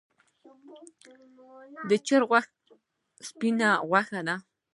د چرګ غوښه سپینه غوښه ده